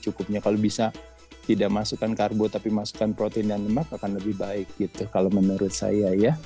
kalau bisa kita minum aja karbonnya mungkin secukupnya kalau bisa tidak masukkan karbon tapi masukkan protein dan lemak akan lebih baik gitu kalau menurut saya ya